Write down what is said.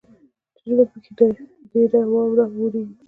چې ژمي پکښې ډیره واوره اوریږي.